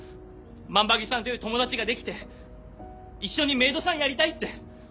万場木さんという友達ができて一緒にメイドさんやりたいって。